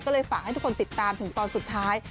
ก็เลยฝากให้ทุกคนติดตามถึงตอนสุดท้าย